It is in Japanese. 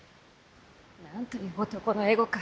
何という男のエゴか。